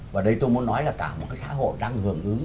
và đây tôi muốn nói là cả một cái xã hội đang hưởng ứng